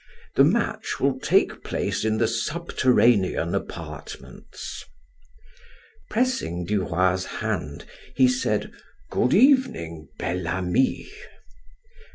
The match will take place in the subterranean apartments." Pressing Du Roy's hand, he said: "Good evening, Bel Ami."